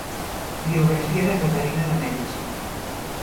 "Biografia de Caterina de Medici".